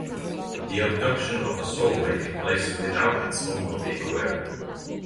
The abduction of a soul may take place without its owner being aware.